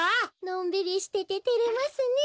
のんびりしてててれますねえ。